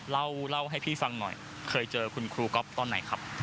เล่าให้พี่ฟังหน่อยเคยเจอคุณครูก๊อฟตอนไหนครับ